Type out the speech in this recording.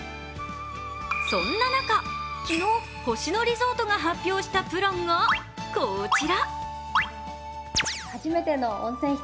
そんな中、昨日、星野リゾートが発表したプランがこちら。